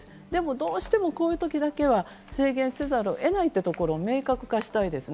どうしてもこういう時だけは制限せざるを得ないというところを明確化したいですね。